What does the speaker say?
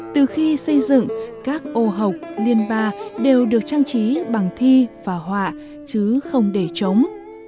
từ khi xây dựng các ô học liên ba đều được trang trí bằng thi và họa chứ không để trống